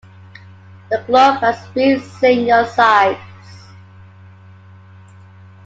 The club has three senior sides.